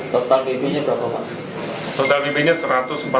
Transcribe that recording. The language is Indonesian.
total bp nya berapa pak